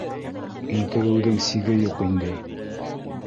— Интегеүҙең сиге юҡ инде.